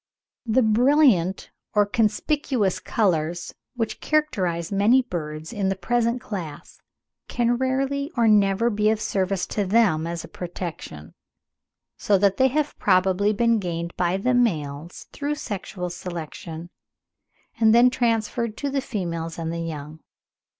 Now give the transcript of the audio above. The brilliant or conspicuous colours which characterise many birds in the present class, can rarely or never be of service to them as a protection; so that they have probably been gained by the males through sexual selection, and then transferred to the females and the young.